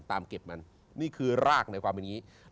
เก็บมันนี่คือรากในความเป็นอย่างนี้